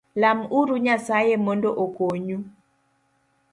Lam uru Nyasae mondo okony u